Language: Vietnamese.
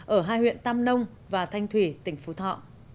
ở hai huyện tam nông và thanh thủy tỉnh phú thọ